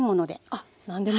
あっ何でも。